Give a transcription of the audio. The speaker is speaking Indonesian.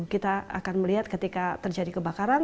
kita akan melihat ketika terjadi kebakaran